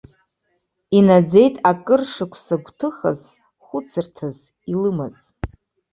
Инаӡеит акыр шықәса гәҭыхас, хәыцырҭас илымаз.